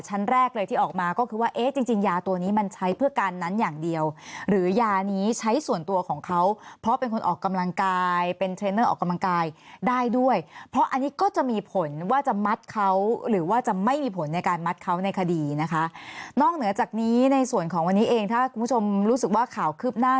แรกเลยที่ออกมาก็คือว่าเอ๊ะจริงจริงยาตัวนี้มันใช้เพื่อการนั้นอย่างเดียวหรือยานี้ใช้ส่วนตัวของเขาเพราะเป็นคนออกกำลังกายเป็นเทรนเนอร์ออกกำลังกายได้ด้วยเพราะอันนี้ก็จะมีผลว่าจะมัดเขาหรือว่าจะไม่มีผลในการมัดเขาในคดีนะคะนอกเหนือจากนี้ในส่วนของวันนี้เองถ้าคุณผู้ชมรู้สึกว่าข่าวคืบหน้า